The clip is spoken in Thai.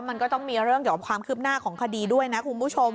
มันก็ต้องมีเรื่องเกี่ยวกับความคืบหน้าของคดีด้วยนะคุณผู้ชม